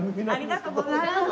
ありがとうございます。